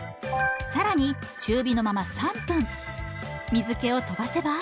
更に中火のまま３分水けを飛ばせば。